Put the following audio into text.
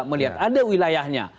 melihat ada wilayahnya